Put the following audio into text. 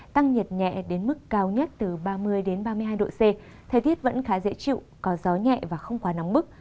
tăng nhiệt nhẹ đến mức cao nhất từ ba mươi ba mươi hai độ c thời tiết vẫn khá dễ chịu có gió nhẹ và không quá nóng bức